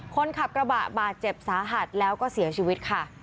คนขับกระบะบาดเจ็บสาหัสแล้วก็เสียชีวิตค่ะ